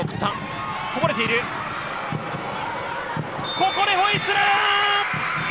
ここでホイッスル！